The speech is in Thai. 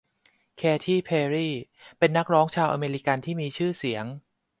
เคที เพร์รี เป็นนักร้องชาวอเมริกันที่มีชื่อเสียง